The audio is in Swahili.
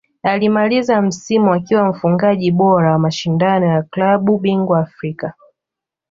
Alimaliza msimu akiwa mfungaji bora wa mashindano ya klabu bingwa Afrika